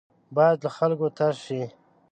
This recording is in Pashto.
بايد له خلکو تش شي.